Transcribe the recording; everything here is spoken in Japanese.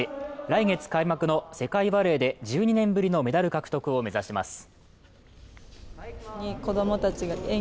来月開幕の世界バレーで１２年ぶりのメダル獲得を目指します。